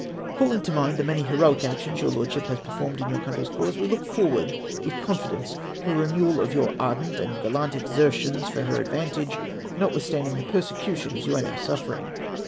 Calling to mind the many heroic actions your Lordship has performed in your country's cause, we look forward with con fidence to a renewal of your ardent and gallant exertions for her advantage, notwithstanding the persecutions you are now suffering.